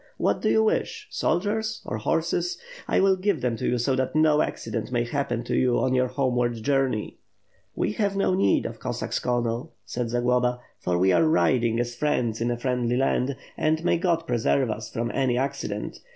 What do you wish, soldiers or horses? 1 will give them to you so that no accident may happen to you on your homeward journey." "We have no need of Cossacks, Colonel," said Zagloba, "for we are riding as friends in a friendly land; and may God preserve us from any accident.